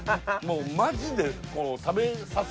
もうマジで。